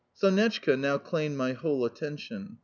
Sonetchka now claimed my whole attention.